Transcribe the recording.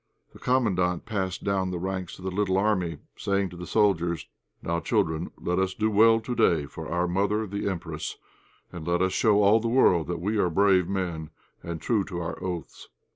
The Commandant passed down the ranks of the little army, saying to the soldiers "Now, children, let us do well to day for our mother, the Empress, and let us show all the world that we are brave men, and true to our oaths."